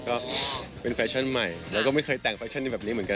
ก็เป็นแฟชั่นใหม่แล้วก็ไม่เคยแต่งแฟชั่นอยู่แบบนี้เหมือนกัน